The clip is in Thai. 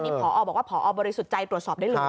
พอบอกว่าพอบริสุทธิ์ใจตรวจสอบได้เลย